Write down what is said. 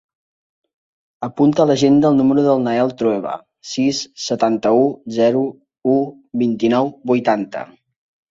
Apunta a l'agenda el número del Nael Trueba: sis, setanta-u, zero, u, vint-i-nou, vuitanta.